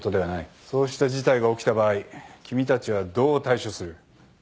そうした事態が起きた場合君たちはどう対処する？